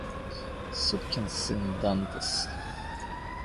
Сукин сын Дантес!